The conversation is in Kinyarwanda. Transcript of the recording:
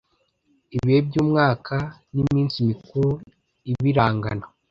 ibihe by’umwaka n’iminsi mikuru ibirangana